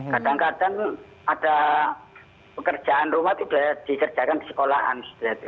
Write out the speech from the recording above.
kadang kadang ada pekerjaan rumah itu sudah dikerjakan di sekolahan